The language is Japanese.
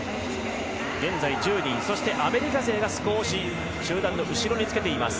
現在１０人、そしてアメリカ勢が中段の後ろにつけています。